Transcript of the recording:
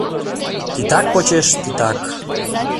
Титак почеш титак.